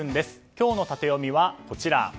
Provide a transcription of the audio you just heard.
今日のタテヨミはこちら。